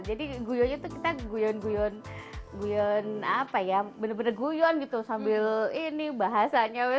jadi guyonnya tuh kita guyon guyon guyon apa ya bener bener guyon gitu sambil ini bahasanya